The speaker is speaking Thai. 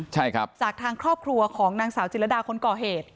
จากทางครอบครัวของนางสาวจิตรดาคนก่อเหตุ